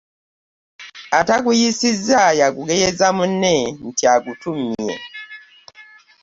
Ataguyiisizza y’agunenyeza munne nti agutummye.